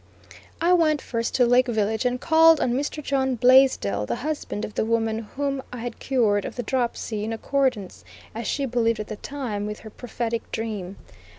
I went first to Lake Village, and called on Mr. John Blaisdell, the husband of the woman whom I had cured of the dropsy, in accordance, as she believed at the time, with her prophetic dream.